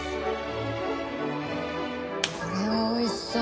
これはおいしそう。